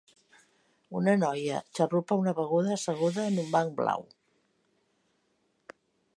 Una noia xarrupa una beguda asseguda en un banc blau.